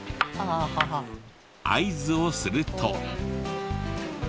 合図をすると。